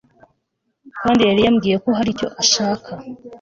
kandi yari yambwiye ko hari icyo ashaka